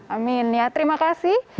amin ya terima kasih